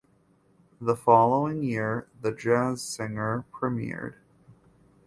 The following year "The Jazz Singer" premiered.